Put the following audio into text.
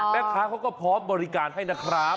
แม่ค้าเขาก็พร้อมบริการให้นะครับ